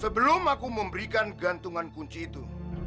sebelum aku memberikan gantungan kunci itu